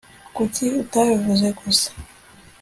kuki utabivuze gusa